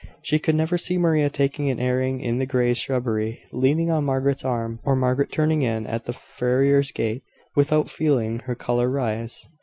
She could never see Maria taking an airing in the Greys' shrubbery, leaning on Margaret's arm, or Margaret turning in at the farrier's gate, without feeling her colour rise.